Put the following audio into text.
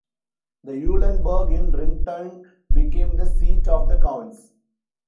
The Eulenburg in Rinteln became the seat of the counts.